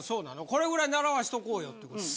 これぐらい習わしとこうよとか。